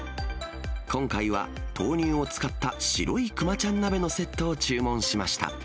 今回は豆乳を使った白いくまちゃん鍋のセットを注文しました。